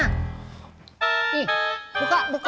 nih buka buka